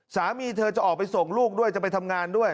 สามีเธอจะออกไปส่งลูกด้วยจะไปทำงานด้วย